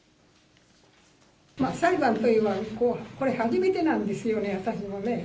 裁判というのは、これ、初めてなんですよね、私もね。